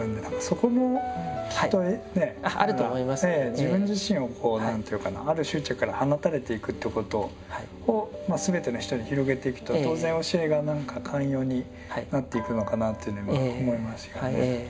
自分自身をこう何というかなある執着から放たれていくということをすべての人に広げていくと当然教えが何か寛容になっていくのかなというのは今思いますよね。